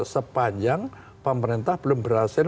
sepanjang pemerintah belum berhasil